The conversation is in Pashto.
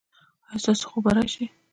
ایا ستاسو خوب به راشي؟